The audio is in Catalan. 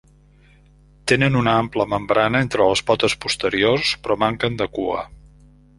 Tenen una ampla membrana entre les potes posteriors, però manquen de cua.